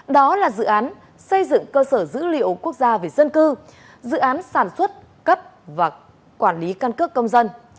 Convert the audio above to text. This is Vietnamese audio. đó là dự án xây dựng cơ sở dữ liệu quốc gia về dân cư dự án sản xuất cấp và quản lý căn cước công dân